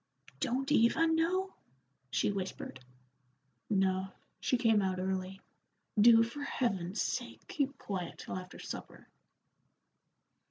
"Don't Eva know?" she whispered. "No, she came out early. Do for Heaven's sake keep quiet till after supper."